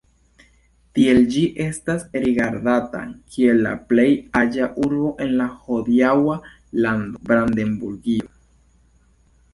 Tiel ĝi estas rigardata kiel la plej aĝa urbo en la hodiaŭa lando Brandenburgio.